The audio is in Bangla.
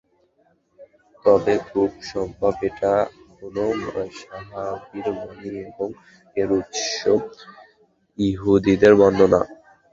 তবে খুব সম্ভব এটা কোন সাহাবীর বাণী এবং এর উৎস ইহুদীদের বর্ণনা।